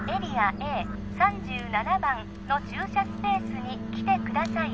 Ａ３７番の駐車スペースに来てください